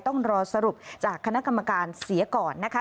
ต้องรอสรุปจากคณะกรรมการเสียก่อนนะคะ